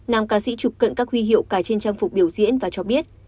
nàng ca sĩ chụp cận các huy hiệu cài trên trang phục biểu diễn và cho biết